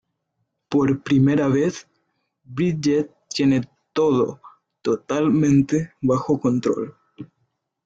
Por primera vez, Bridget tiene todo totalmente bajo control.